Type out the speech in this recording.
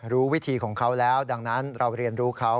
รู้วิธีของเขาแล้วดังนั้นเราเรียนรู้เขา